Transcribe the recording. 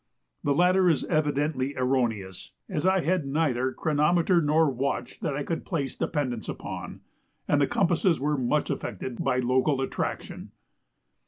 The latter is evidently erroneous, as I had neither chronometer nor watch that I could place dependence upon, and the compasses were much affected by local attraction.